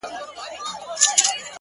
داسي محراب غواړم’ داسي محراب راکه’